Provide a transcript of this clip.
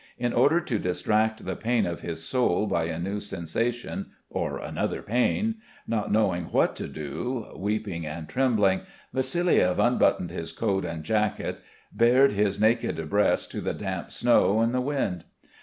In order to distract the pain of his soul by a new sensation or another pain, not knowing what to do, weeping and trembling, Vassiliev unbuttoned his coat and jacket, baring his naked breast to the damp snow and the wind.